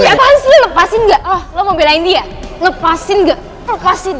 iya apaan sih lo lepasin gak lo mau belain dia lepasin gak lepasin